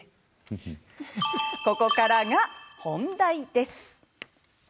ここからが本題です。